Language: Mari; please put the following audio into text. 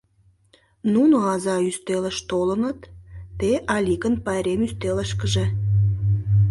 — Нуно аза ӱстелыш толыныт, те — Аликын пайрем ӱстелышкыже.